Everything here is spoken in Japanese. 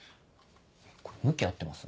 これ向き合ってます？